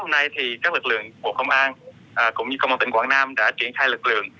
sáng hôm nay thì các lực lượng của công an cũng như công an tỉnh quảng nam đã chuyển khai lực lượng